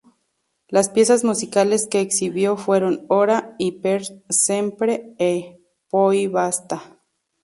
Las piezas musicales que exhibió fueron ""Ora"" y ""Per sempre e poi basta"".